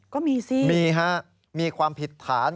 ก็มีสิมีฮะมีความผิดฐาน